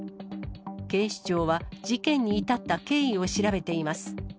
警視庁は、事件に至った経緯を調べています。